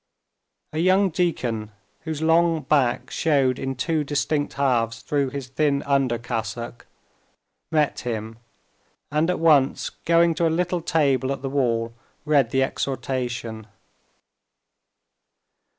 A young deacon, whose long back showed in two distinct halves through his thin undercassock, met him, and at once going to a little table at the wall read the exhortation.